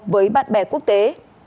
với bạn bè quốc tế